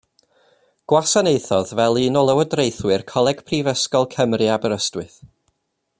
Gwasanaethodd fel un o lywodraethwyr Coleg Prifysgol Cymru Aberystwyth.